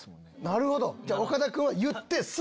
なるほど！